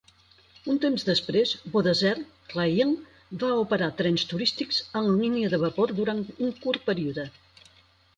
Un temps després, Beaudesert Rail va operar trens turístics a la línia de vapor durant un curt període.